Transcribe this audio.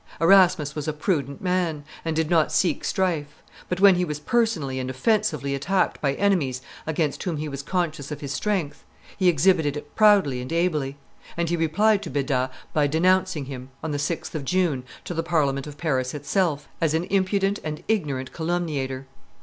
Erasmus was a prudent man, and did not seek strife; but when he was personally and offensively attacked by enemies against whom he was conscious of his strength, he exhibited it proudly and ably; and he replied to Beda by denouncing him, on the 6th of June, to the Parliament of Paris itself, as an impudent and ignorant calumniator.